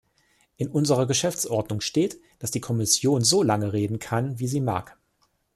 In unserer Geschäftsordnung steht, dass die Kommission so lange reden kann, wie sie mag.